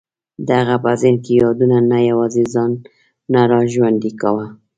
د هغه په ذهن کې یادونو نه یوازې ځان نه را ژوندی کاوه.